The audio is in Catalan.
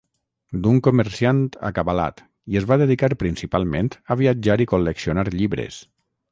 d'un comerciant acabalat i es va dedicar principalment a viatjar i col·leccionar llibres.